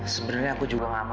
sebenarnya aku juga gak mau